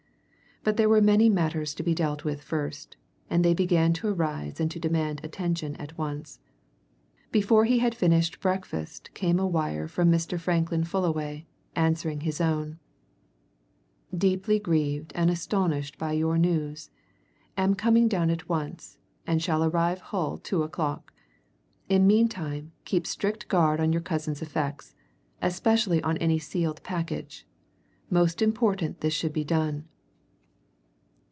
But there were many matters to be dealt with first, and they began to arise and to demand attention at once. Before he had finished breakfast came a wire from Mr. Franklin Fullaway, answering his own: "Deeply grieved and astonished by your news. Am coming down at once, and shall arrive Hull two o'clock. In meantime keep strict guard on your cousin's effects, especially on any sealed package. Most important this should be done."